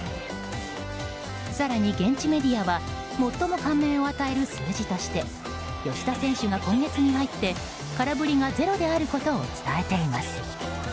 更に現地メディアは最も感銘を与える数字として吉田選手が今月に入って空振りが０であることを伝えています。